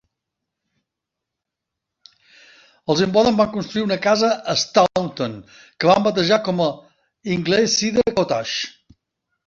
Els Imboden van construir una casa a Staunton que van batejar com a "Ingleside Cottage".